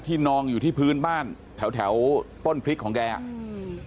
นองอยู่ที่พื้นบ้านแถวแถวต้นพริกของแกอ่ะอืม